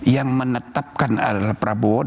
yang menetapkan adalah prabowo